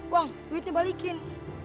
wang duitnya balikin